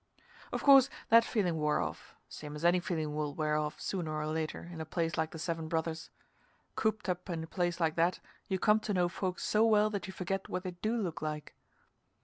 Of course that feeling wore off, same as any feeling will wear off sooner or later in a place like the Seven Brothers. Cooped up in a place like that you come to know folks so well that you forget what they do look like.